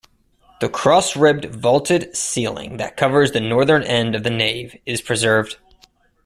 The cross-ribbed vaulted ceiling that covers the northern end of the nave is preserved.